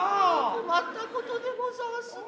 困ったことでござんすな。